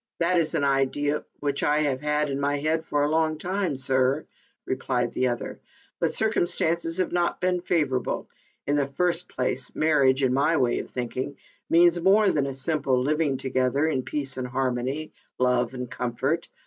" That is an idea which I have had in my mind for a long time, sir," replied the other; "but circumstances have not been favorable. In the first place, marriage, in my way of thinking, means more than a simple living together in peace and harmony, love and comfort.